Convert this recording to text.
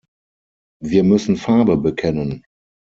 Wir müssen Farbe bekennen!